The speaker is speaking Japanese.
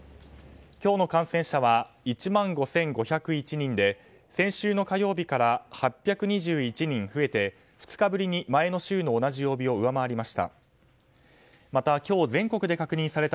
今日の感染者は１万５５０１人で先週の火曜日から８２１人増えて２日ぶりに前の週の同じ曜日を上回りました。